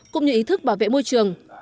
cũng như ý thức bảo vệ môi trường